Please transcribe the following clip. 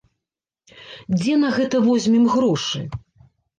Дзе на гэта возьмем грошы?